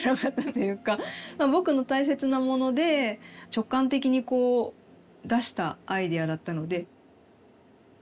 「ぼく」の大切なもので直感的にこう出したアイデアだったので。